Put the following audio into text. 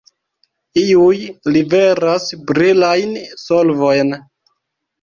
Iuj liveras brilajn solvojn.